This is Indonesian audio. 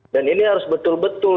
dan ini harus betul betul digunakan